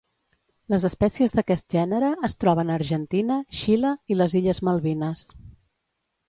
Les espècies d'aquest gènere es troben a Argentina, Xile i les illes Malvines.